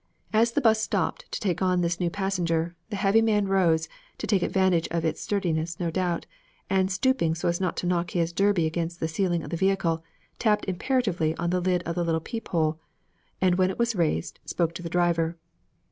As the 'bus stopped to take on this new passenger, the heavy man rose, to take advantage of its steadiness, no doubt, and stooping so as not to knock his derby against the ceiling of the vehicle, tapped imperatively on the lid of the little peep hole, and when it was raised, spoke to the driver.